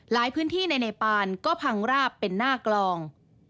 พื้นที่ในเนปานก็พังราบเป็นหน้ากลอง